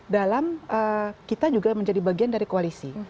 dalam kita juga menjadi bagian dari koalisi